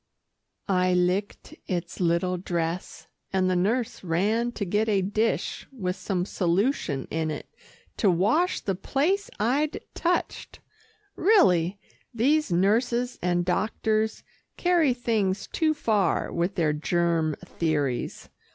I licked its little dress, and the nurse ran to get a dish with some solution in it to wash the place I'd touched. Really, these nurses and doctors carry things too far with their germ theories.